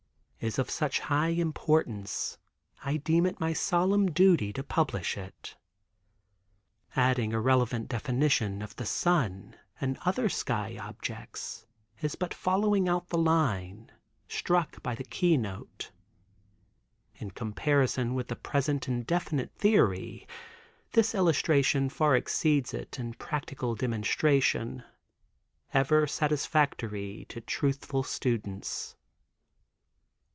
Is of such high importance I deem it my solemn duty to publish it. Adding a relevant definition of the Sun, and other sky objects, is but following out the line, struck by the first keynote. In comparison with the present indefinite theory, this illustration far exceeds it in practical demonstration—ever satisfactory to truthful students.